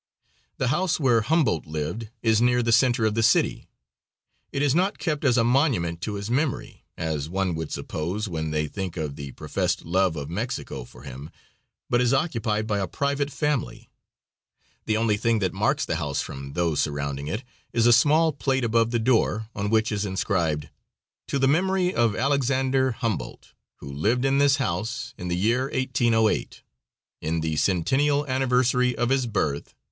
The house where Humboldt lived is near the center of the city. It is not kept as a monument to his memory, as one would suppose when they think of the professed love of Mexico for him, but is occupied by a private family. The only thing that marks the house from those surrounding it is a small plate above the door, on which is inscribed: "To the memory of Alexander Humboldt, who lived in this house in the year 1808. In the centennial anniversary of his birth.